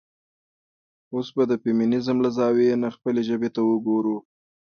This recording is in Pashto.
اوس به د د فيمينزم له زاويې نه خپلې ژبې ته وګورو.